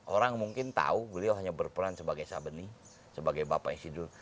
orang mungkin tahu beliau hanya berperan sebagai sabeni sebagai bapak isi dulu